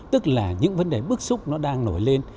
tức là những vấn đề bức xúc nó đang nổi lên